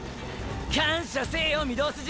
感謝せぇよ御堂筋！！